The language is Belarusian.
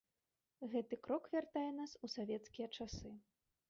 Гэты крок вяртае нас у савецкія часы.